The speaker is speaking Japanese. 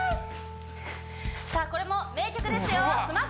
さあこれも名曲ですようわっ！